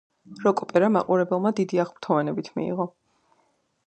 როკ-ოპერა მაყურებელმა დიდი აღფრთოვანებით მიიღო.